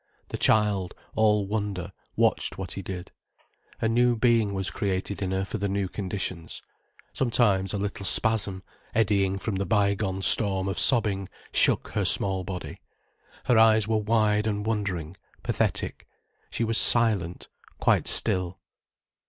The child, all wonder, watched what he did. A new being was created in her for the new conditions. Sometimes, a little spasm, eddying from the bygone storm of sobbing, shook her small body. Her eyes were wide and wondering, pathetic. She was silent, quite still.